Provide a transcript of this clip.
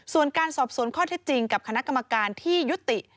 ส่วนการสอบสวนข้อเท็จจริงกับคณะกรรมการที่ยุติ